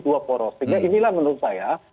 dua poros sehingga inilah menurut saya